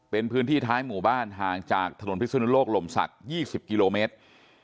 เป็นพื้นที่ท้ายหมู่บ้านห่างจากถนนพิศนุโลกลมศักดิ์๒๐กิโลเมตร